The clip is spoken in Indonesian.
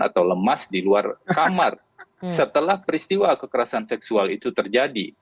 atau lemas di luar kamar setelah peristiwa kekerasan seksual itu terjadi